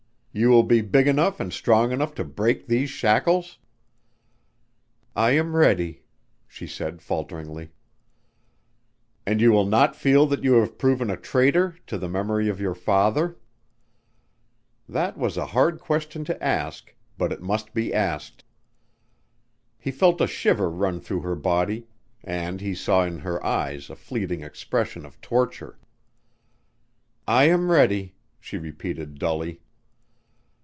You will be big enough and strong enough to break these shackles?" "I am ready " she said falteringly. "And you will not feel that you have proven a traitor to the memory of your father?" That was a hard question to ask, but it must be asked. He felt a shiver run through her body and he saw in her eyes a fleeting expression of torture. "I am ready," she repeated dully.